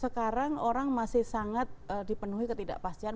sekarang orang masih sangat dipenuhi ketidakpastian